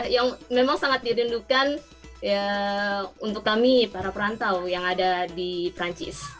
yang memang sangat dirindukan untuk kami para perantau yang ada di perancis